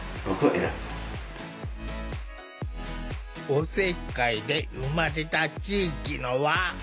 おせっかいで生まれた地域の輪。